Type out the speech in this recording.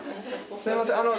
すいません